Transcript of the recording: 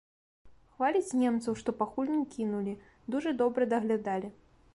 Хваліць немцаў, што пакуль не кінулі, дужа добра даглядалі.